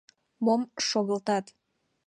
Мом шогылтат?